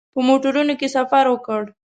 په موټرونو کې سفر وکړ.